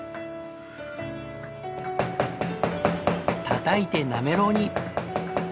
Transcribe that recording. たたいてなめろうに。